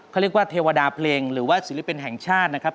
เขาเรียกว่าเทวดาเพลงหรือว่าศิลปินแห่งชาตินะครับ